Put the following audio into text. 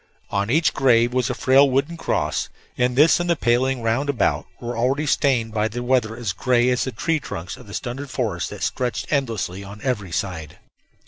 On each grave was a frail wooden cross, and this and the paling round about were already stained by the weather as gray as the tree trunks of the stunted forest that stretched endlessly on every side.